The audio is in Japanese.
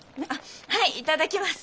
はい頂きます。